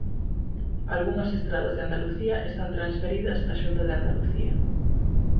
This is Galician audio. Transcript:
Algunhas estradas de Andalucía están transferidas á Xunta de Andalucía.